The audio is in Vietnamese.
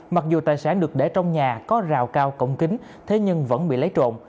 mặc dù tài sản được để trong nhà có rào cao cộng kính thế nhưng vẫn bị lấy trộn